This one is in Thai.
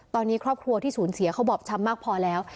ตอนนี้ครอบครัวที่สูญเสียเขาบอบช้ำมากพอแล้ว